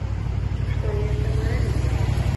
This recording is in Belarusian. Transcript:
Што мне з табой рабіць?